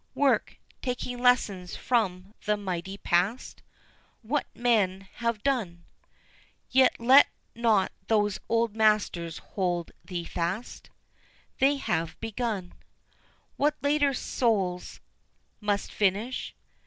Work! taking lessons from the mighty Past, What men have done; Yet let not those old masters hold thee fast, They have begun; What later souls must finish.